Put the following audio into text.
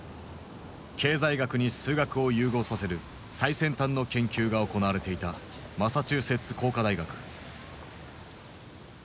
経済学に数学を融合させる最先端の研究が行われていたマサチューセッツ工科大学。